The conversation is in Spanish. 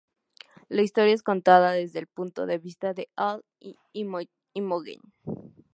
La historia es contada desde el punto de vista de Al y Imogen.